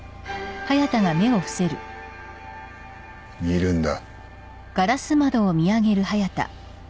見るんだ。